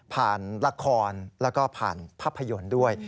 ละครแล้วก็ผ่านภาพยนตร์ด้วย